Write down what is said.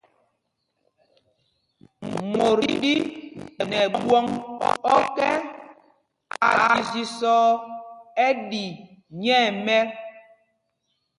Mot ɗí nɛ ɓwɔŋ ɔ́kɛ, aa jīsɔɔ ɛni nyɛɛmɛt.